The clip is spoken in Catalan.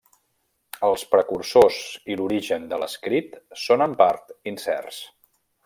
Els precursors i l'origen de l'escrit són en part incerts.